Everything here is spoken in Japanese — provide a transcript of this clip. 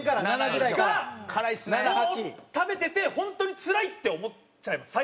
７ぐらいから？がもう食べてて本当につらいって思っちゃいます